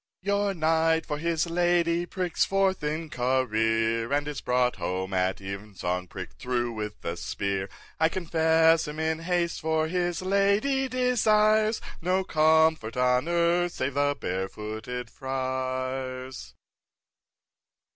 2. Your knight for his lady pricks forth in career, And is brought home at even song prick'd through with a spear; I confess him in haste—for his lady desires No comfort on earth save the Barefooted Friar's.